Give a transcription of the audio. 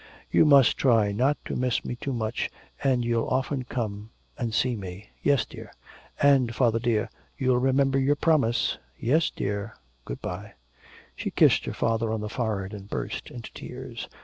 You must try not to miss me too much and you'll often come and see me.' 'Yes, dear.' 'And, father, dear, you'll remember your promise.' 'Yes, dear... Good bye.' She kissed her father on the forehead and burst into tears.